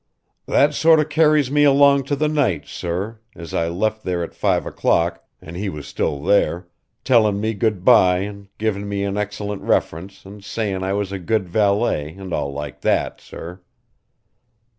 "That sort of carries me along to the night, sir as I left there at five o'clock and he was still there tellin' me goodbye and givin' me an excellent reference and sayin' I was a good valet an' all like that, sir.